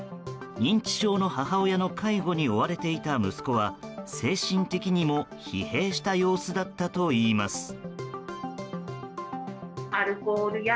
認知症の母親の介護に追われていた息子は精神的にも疲弊した様子だったといいます。